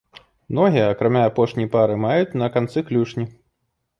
Ногі, акрамя апошняй пары, маюць на канцы клюшні.